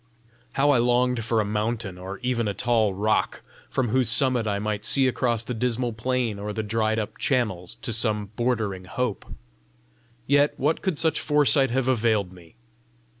How I longed for a mountain, or even a tall rock, from whose summit I might see across the dismal plain or the dried up channels to some bordering hope! Yet what could such foresight have availed me?